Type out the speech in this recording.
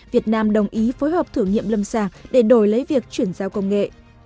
việt nam đồng ý phối hợp thử nghiệm lâm sàng để đổi lấy việc chuyển giao công nghệ